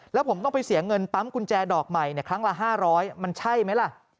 แล้วผมต้องไปเสียเงินปั๊มกุญแจดอกใหม่ครั้งละ๕๐๐มันใช่ไหมล่ะ